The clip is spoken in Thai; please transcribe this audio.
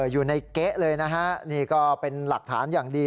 เก๊ะเลยนะฮะนี่ก็เป็นหลักฐานอย่างดี